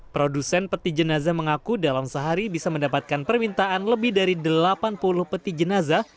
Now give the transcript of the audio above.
produsen peti jenazah mengaku dalam sehari bisa mendapatkan permintaan lebih dari delapan puluh peti jenazah